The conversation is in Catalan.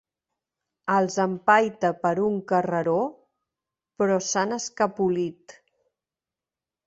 Els empaita per un carreró, però s'han escapolit.